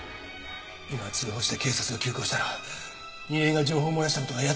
今通報して警察が急行したら楡井が情報を漏らした事が奴らにも伝わる。